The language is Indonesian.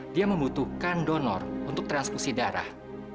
dia membutuhkan donor untuk transfusi darah